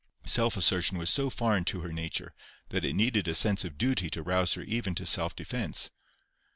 Self assertion was so foreign to her nature, that it needed a sense of duty to rouse her even to self defence.